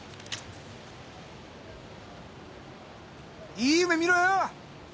いい夢見ろよ！